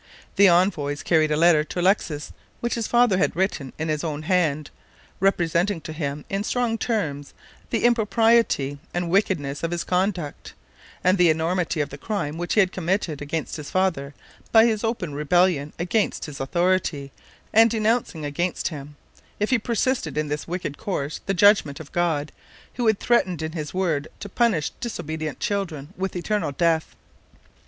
The envoys carried a letter to Alexis which his father had written with his own hand, representing to him, in strong terms, the impropriety and wickedness of his conduct, and the enormity of the crime which he had committed against his father by his open rebellion against his authority, and denouncing against him, if he persisted in his wicked course, the judgment of God, who had threatened in his Word to punish disobedient children with eternal death.